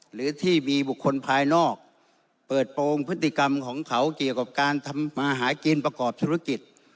หรือที่มีบุคคลภายนอกเปิดโปรงพฤติกรรมของเขาเกี่ยวกับการทำมาหากินประกอบธุรกิจ